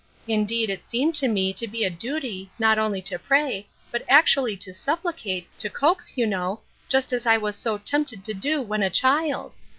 In deed it seemed to me to be a duty, not only to pray, l)ut actually to supplicate, to coax, you know, just as I was so tempted to do when a child.